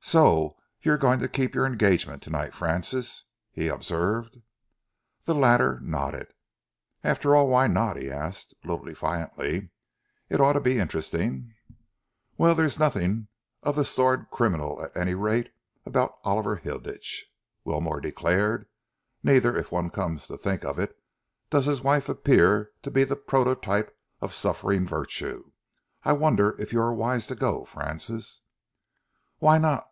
"So you are going to keep your engagement tonight, Francis?" he observed. The latter nodded. "After all, why not?" he asked, a little defiantly. "It ought to be interesting." "Well, there's nothing of the sordid criminal, at any rate, about Oliver Hilditch," Wilmore declared. "Neither, if one comes to think of it, does his wife appear to be the prototype of suffering virtue. I wonder if you are wise to go, Francis?" "Why not?"